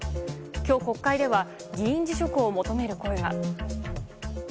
今日、国会では議員辞職を求める声が。